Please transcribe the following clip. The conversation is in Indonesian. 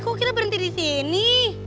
kok kita berhenti di sini